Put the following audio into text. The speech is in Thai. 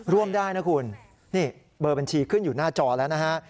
ร่วมได้นะคุณนี่เบอร์บัญชีขึ้นอยู่หน้าจอแล้วนะฮะ